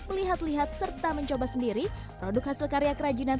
melihat lihat serta mencoba sendiri produk hasil karya kerajinan